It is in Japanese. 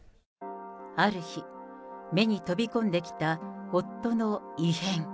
ある日、目に飛び込んできた、夫の異変。